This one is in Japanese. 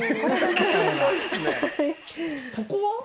ここは？